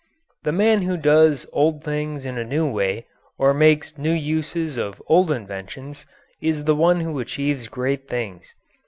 The man who does old things in a new way, or makes new uses of old inventions, is the one who achieves great things.